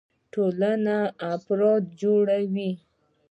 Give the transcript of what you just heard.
ټولنې له افرادو جوړيږي.